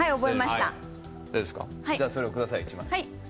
それをください。